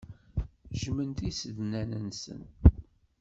Jjmen tisednan-nsen.